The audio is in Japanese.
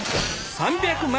３００万！